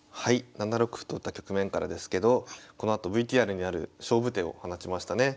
７六歩と打った局面からですけどこのあとＶＴＲにある勝負手を放ちましたね。